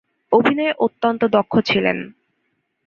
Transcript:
অভিনয়ে অত্যন্ত দক্ষ ছিলেন।